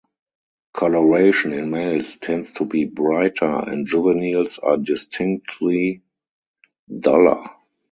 Colouration in males tends to be brighter, and juveniles are distinctly duller.